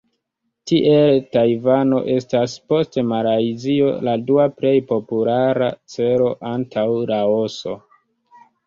Tiel Tajvano estas post Malajzio la dua plej populara celo antaŭ Laoso.